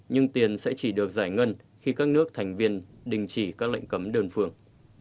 nhưng tiền sẽ chỉ được giải ngân khi các nước thành viên đình chỉ các lệnh cấm đơn phương